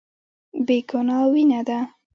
بې ګناه وينه ده.